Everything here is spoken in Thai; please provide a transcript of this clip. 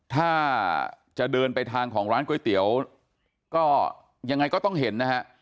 ถ้าจะเดินไปทางของร้านก๋วยเตี๋ยวก็ยังไงก็ต้องเห็นนะฮะ